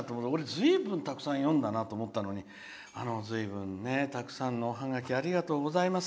ずいぶんたくさん読んだなと思ったのにずいぶんたくさんのおハガキありがとうございます。